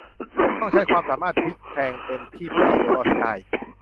ต้องใช้ความสามารถพลิกแพลงเต็มที่เพื่อเอาตัวรอดให้ได้